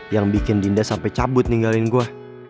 yang bikin dinda sampai cabut ninggalin gue